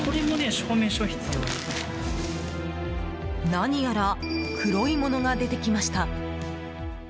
何やら黒いものが出てきました。